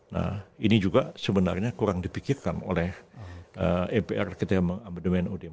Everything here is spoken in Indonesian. nah ini juga sebenarnya kurang dipikirkan oleh mpr ktm ud empat puluh lima